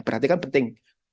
berarti kan penting